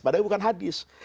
padahal bukan hadis